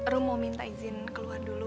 ruh mau minta izin keluar dulu